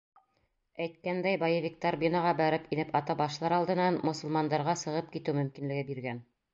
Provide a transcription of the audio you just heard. Әйткәндәй, боевиктар бинаға бәреп инеп ата башлар алдынан мосолмандарға сығып китеү мөмкинлеге биргән.